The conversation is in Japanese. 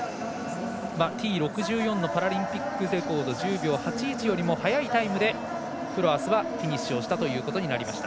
Ｔ６４のパラリンピックレコード１０秒８１よりも速いタイムでフロアスはフィニッシュしたということになりました。